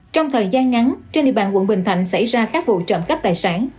trong thời gian ngắn trên địa bàn quận bình thành xảy ra các vụ trầm cấp tài sản